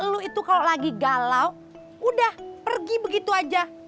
lu itu kalau lagi galau udah pergi begitu aja